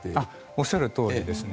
おっしゃるとおりです。